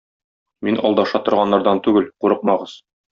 Мин алдаша торганнардан түгел, курыкмагыз.